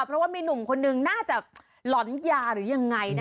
เพราะว่ามีหนุ่มคนนึงน่าจะหล่อนยาหรือยังไง